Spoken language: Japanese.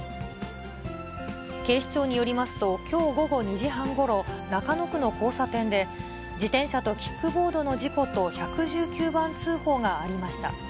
警視庁によりますと、きょう午後２時半ごろ、中野区の交差点で、自転車とキックボードの事故と１１９番通報がありました。